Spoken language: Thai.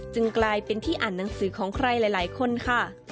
กลายเป็นที่อ่านหนังสือของใครหลายคนค่ะ